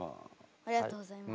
ありがとうございます。